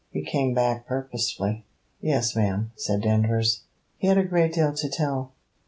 He came back purposely.' 'Yes, ma'am,' said Danvers. 'He had a great deal to tell?'